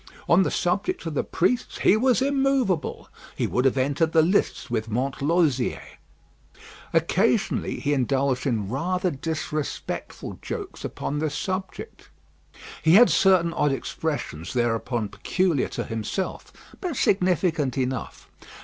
On the subject of the priests he was immovable; he would have entered the lists with Montlosier. Occasionally he indulged in rather disrespectful jokes upon this subject. He had certain odd expressions thereupon peculiar to himself, but significant enough.